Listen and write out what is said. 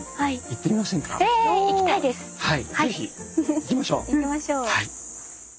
行きましょう。